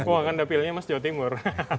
semua kan dapilnya mas jawa timur